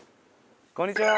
こんにちは。